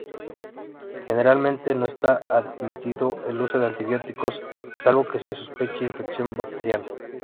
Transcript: Generalmente no está admitido el uso de antibióticos salvo que se sospeche infección bacteriana.